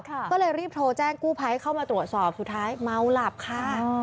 ก็เลยรีบโทรแจ้งกู้ภัยเข้ามาตรวจสอบสุดท้ายเมาหลับค่ะ